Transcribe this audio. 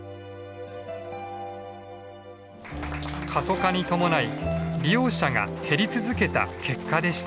過疎化に伴い利用者が減り続けた結果でした。